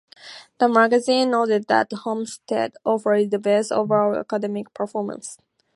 The magazine noted that Homestead offered the "Best Overall Academic Performance".